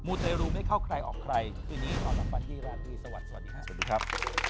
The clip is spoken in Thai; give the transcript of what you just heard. มูลใต้รู้ไม่เข้าใครออกใครที่นี้ขอบพระพันธ์ที่ราวรีสวัสดีครับ